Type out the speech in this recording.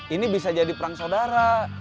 ini bisa jadi perang saudara